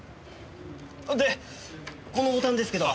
でこのボタンですけど。